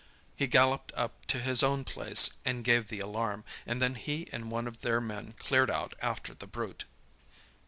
He galloped up to his own place and gave the alarm, and then he and one of their men cleared out after the brute."